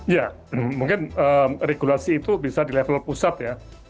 ya mungkin regulasi itu bisa di level pusat ya